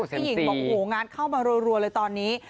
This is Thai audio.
พี่หญิงบอกโหงานเข้ามารัวเลยตอนนี้